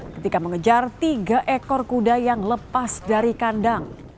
ketika mengejar tiga ekor kuda yang lepas dari kandang